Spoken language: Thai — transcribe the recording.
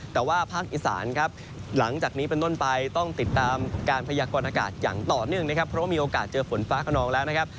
แต่ว่าภาคอีสานครับหลังจากนี้เป็นต้นไปต้องติดตามการพยากรณากาศอย่างต่อเนื่องนะครับเพราะว่ามีโอกาสเจอฝนฟ้าขนองแล้วนะครับ